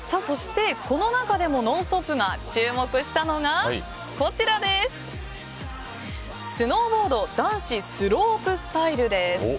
そして、この中でも「ノンストップ！」が注目したのがスノーボード男子スロープスタイルです。